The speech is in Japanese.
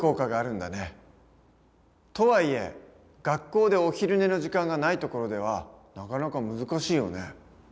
とはいえ学校でお昼寝の時間がないところではなかなか難しいよね。